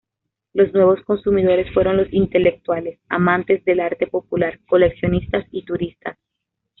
Los nuevos consumidores fueron los intelectuales, amantes del arte popular, coleccionistas y turistas.